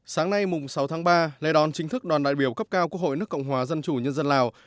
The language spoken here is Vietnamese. sáng nay sáu tháng ba lê đòn chính thức đoàn đại biểu cấp cao quốc hội nước cộng hòa dân chủ nhân dân lào